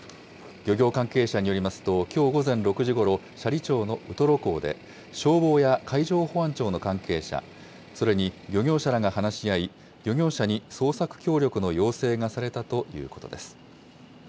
漁業関係者によりますと、きょう午前６時ごろ、斜里町のウトロ港で、消防や海上保安庁の関係者、それに漁業者らが話し合い、漁業者に捜索協力の要請がされたということです。